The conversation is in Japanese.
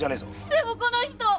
でもこの人！〕